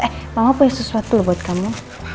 eh mama punya sesuatu loh buat kamu